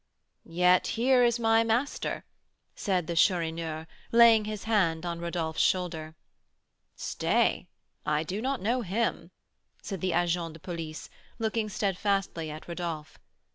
"Yet here is my master," said the Chourineur, laying his hand on Rodolph's shoulder. "Stay, I do not know him," said the agent de police, looking steadfastly at Rodolph.